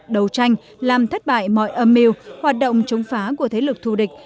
đấu tranh làm thất bại mọi âm mưu hoạt động chống phá của thế lực thù địch